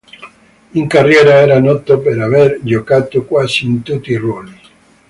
In carriera era noto per aver giocato quasi in tutti i ruoli.